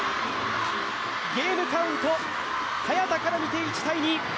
ゲームカウント、早田からみて、１−２。